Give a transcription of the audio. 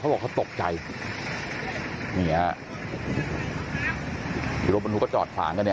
เขาบอกเขาตกใจเนี่ยรถมันทุกค่ะจอดขวางกันเนี่ย